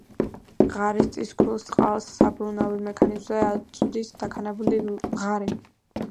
ღარის წისქვილს წყალს საბრუნავი მექანიზმზე აწვდის დაქანებული ღარი.